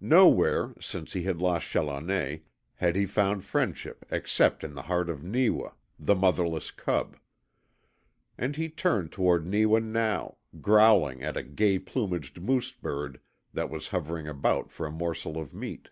Nowhere, since he had lost Challoner, had he found friendship except in the heart of Neewa, the motherless cub. And he turned toward Neewa now, growling at a gay plumaged moose bird that was hovering about for a morsel of meat.